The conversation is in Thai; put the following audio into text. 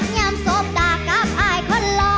เนียมโสบดากกับอายคนล้อ